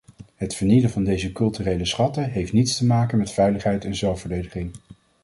Het vernielen van deze culturele schatten heeft niets te maken met veiligheid en zelfverdediging.